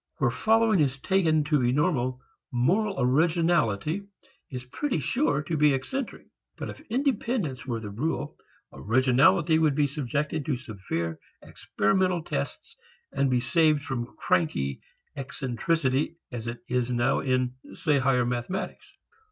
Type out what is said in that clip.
Where following is taken to be normal, moral originality is pretty sure to be eccentric. But if independence were the rule, originality would be subjected to severe, experimental tests and be saved from cranky eccentricity, as it now is in say higher mathematics.